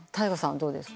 どうですか？